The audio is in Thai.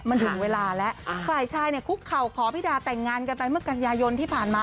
มันถึงเวลาแล้วฝ่ายชายเนี่ยคุกเข่าขอพี่ดาแต่งงานกันไปเมื่อกันยายนที่ผ่านมา